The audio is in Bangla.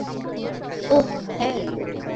ওহ্, হ্যাঁঁ।